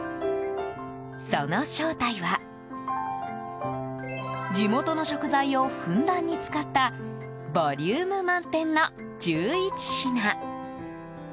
その正体は地元の食材をふんだんに使ったボリューム満点の１１品。